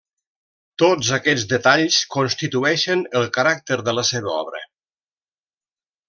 Tots aquests detalls constitueixen el caràcter de la seva obra.